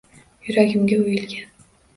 Yuragimga oʼyilgan.